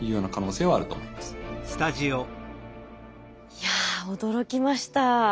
いや驚きました。